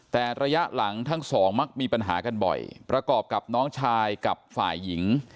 แต่ระยะหลังทั้งสองมักมีปัญหากันบ่อยประกอบกับน้องชายกับฝ่ายหญิง